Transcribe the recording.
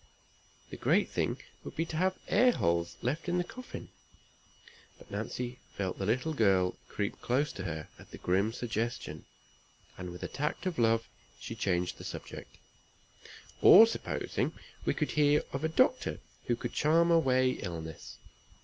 "The great thing would be to have air holes left in the coffin." But Nancy felt the little girl creep close to her at the grim suggestion, and, with the tact of love, she changed the subject. "Or supposing we could hear of a doctor who could charm away illness.